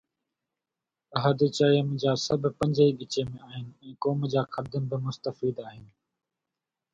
احد چيم جا سڀ پنج ئي ڳچيءَ ۾ آهن ۽ قوم جا خادم به مستفيد آهن.